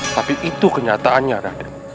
tapi itu kenyataannya raden